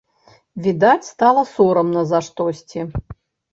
Відаць, стала сорамна за штосьці.